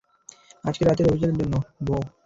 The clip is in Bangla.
আজকে রাতের অভিযানের জন্য, বোহ।